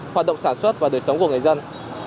hoạt động sản xuất và đời sống của người dân